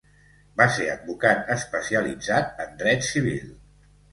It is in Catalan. Va ser advocat especialitzat en dret civil.